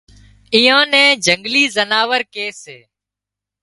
ايئان نين جنگلي زناور ڪي سي